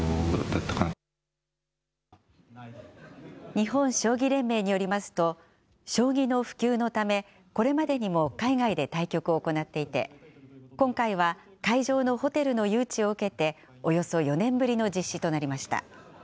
日本将棋連盟によりますと、将棋の普及のため、これまでにも海外で対局を行っていて、今回は会場のホテルの誘致を受けておよそ４年ぶりの実施となりました。